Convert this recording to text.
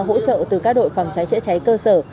hỗ trợ từ các đội phòng cháy chữa cháy cơ sở